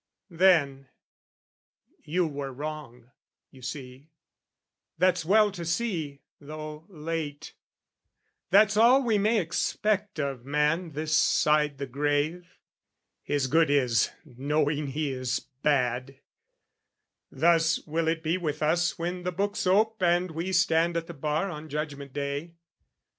Then, You were wrong, you see: that's well to see, though late: That's all we may expect of man, this side The grave: his good is knowing he is bad: Thus will it be with us when the books ope And we stand at the bar on judgment day.